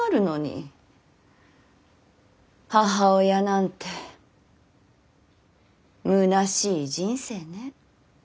母親なんてむなしい人生ね。